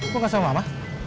kok gak sama mama